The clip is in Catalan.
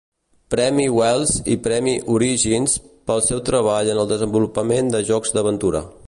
Premi Wells i premi Origins pel seu treball en el desenvolupament de jocs d'aventura.